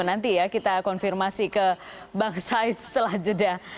nanti ya kita konfirmasi ke bang said setelah jeda